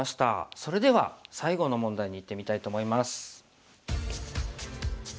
それでは最後の問題にいってみたいと思います。